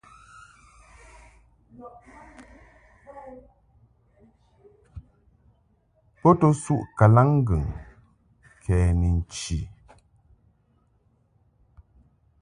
Bo to suʼ kalaŋŋgɨŋ kɛ ni nchi.